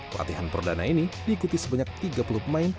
pelatihan perdana ini diikuti sebanyak tiga puluh pemain